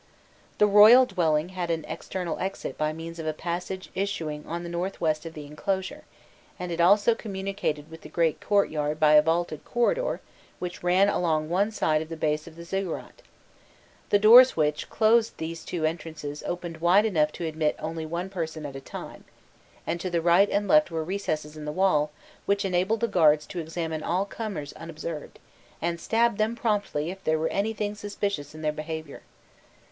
The royal dwelling had an external exit by means of a passage issuing on the north west of the enclosure, and it also communicated with the great courtyard by a vaulted corridor which ran along one side of the base of the ziggurat: the doors which, closed these two entrances opened wide enough to admit only one person at a time, and to the right and left were recesses in the wall which enabled the guards to examine all comers unobserved, and stab them promptly if there were anything suspicious in their behaviour.